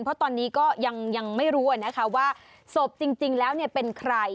เพราะตอนนี้ก็ยังไม่รู้ว่าศพจริงแล้วเป็นใคร